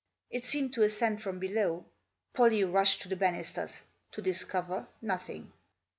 It seemed to ascend from below. Pollie rushed to the banisters ; to discover nothing.